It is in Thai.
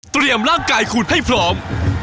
เตรียมร่างกายคุณให้พร้อม